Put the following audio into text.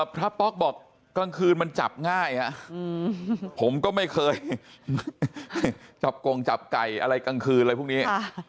พระป๊อกบอกกลางคืนมันจับง่ายผมก็ไม่เคยจับกงจับไก่อะไรกลางคืนอะไรพวกนี้